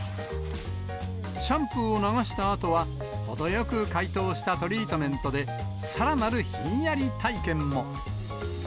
シャンプーを流したあとは、程よく解凍したトリートメントで、さらなるひんやり体験も。